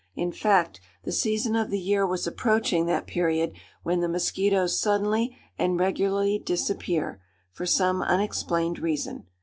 In fact, the season of the year was approaching that period when the mosquitoes suddenly and regularly disappear, for some unexplained reason.